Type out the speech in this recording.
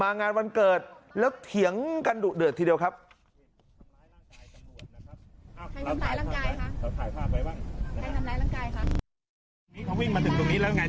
อำเภอโพธาราม